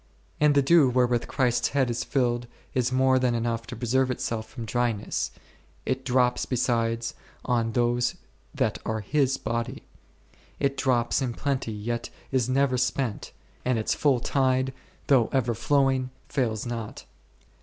and the dew wherewith Christ's head is filled, is more than enough to preserve itself from dryness, it drops besides on those that are His body ; it drops in plenty yet is never spent, and its full tide, though ever flowing, fails not.